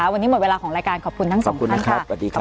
วันนี้หมดเวลาของรายการขอบคุณทั้งสองคนค่ะ